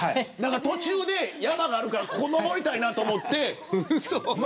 途中で山があるからここ登りたいなと思ったり。